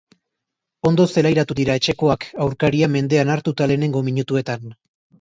Ondo zelairatu dira etxekoak, aurkaria mendean hartuta lehenengo minutuetan.